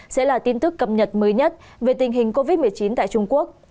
sẽ là tin tức cập nhật mới nhất về tình hình covid một mươi chín tại trung quốc